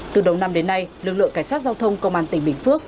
từ đầu năm đến nay lực lượng cảnh sát giao thông công an tỉnh bình phước